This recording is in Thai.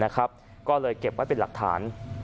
ก็เลยเก็บไว้เป็นหลักฐาน